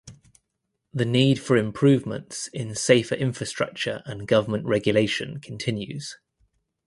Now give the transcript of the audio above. The need for improvements in safer infrastructure and government regulation continues.